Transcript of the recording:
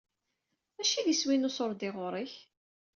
Acu i d iswi n uṣurdi ɣuṛ-k?